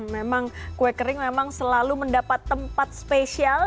memang kue kering memang selalu mendapat tempat spesial